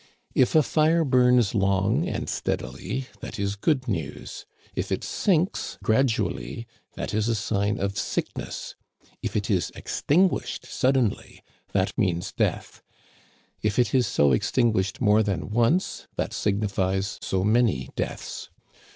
If a fire bums long and steadily, that is good news ; if it sinks gradually, that is a sign of sickness ; if it is extinguished suddenly, that means death ; if it is so extinguished more than once, that signifies so many deaths.